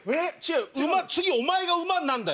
次お前が馬になるんだよ。